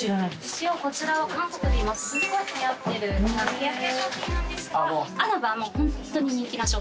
一応こちらは韓国で今すごいはやってるヘアケア商品なんですがＵＮＯＶＥはもうホントに人気な商品で。